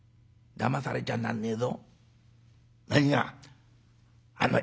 だまされちゃなんねえぞ」。